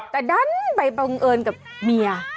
แต่ดันไปบังเอิญกับเมีย